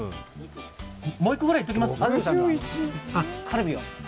もう１個ぐらいいっておきますか？